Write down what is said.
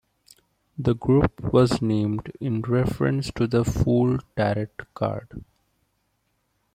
The group was named in reference to the Fool tarot card.